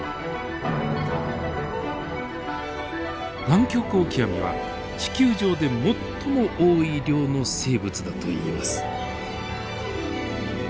ナンキョクオキアミは地球上で最も多い量の生物だといいます。